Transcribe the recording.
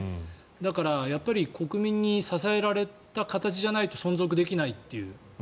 だから国民に支えられた形じゃないと存続できないという。